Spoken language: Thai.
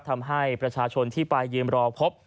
ทำให้ประชาชนที่ไปยืมรอพบ